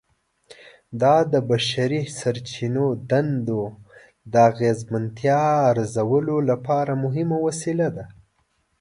دا د بشري سرچینو دندو د اغیزمنتیا ارزولو لپاره مهمه وسیله ده.